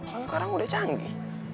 kamu sekarang udah canggih